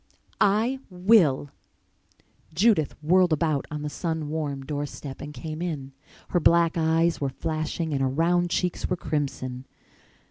"I will!" Judith whirled about on the sun warm door step and came in. Her black eyes were flashing and her round cheeks were crimson.